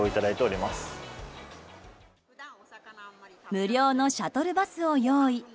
無料のシャトルバスを用意。